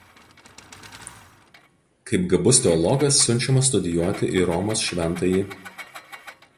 Kaip gabus teologas siunčiamas studijuoti į Romos šv.